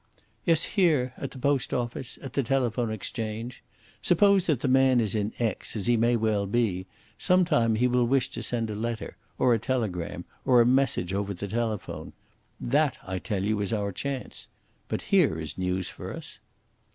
"Yes, here; at the post office at the telephone exchange. Suppose that the man is in Aix, as he may well be; some time he will wish to send a letter, or a telegram, or a message over the telephone. That, I tell you, is our chance. But here is news for us."